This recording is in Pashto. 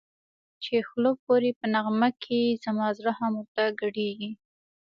چی خوله پوری په نغمه کی زما زړه هم ورته گډېږی